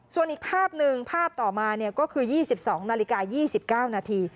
ส่วนอีกภาพหนึ่งภาพต่อมาก็คือ๒๒นาฬิกา๒๙นาที